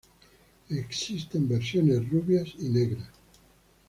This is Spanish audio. Existen versiones rubias y negras.